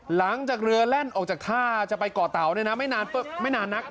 หลังจากเรือแล่นออกจากท่าจะไปก่อเตาไม่นานนัก